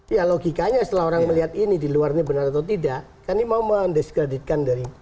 ya logikanya setelah orang melihat ini di luar ini benar atau tidak kan ini mau mendiskreditkan dari